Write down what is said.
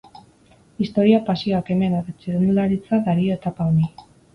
Historia, pasioa, kemena eta txirrindularitza dario etapa honi.